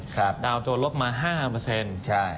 ครับดาวน์โจนลดมา๕ใช่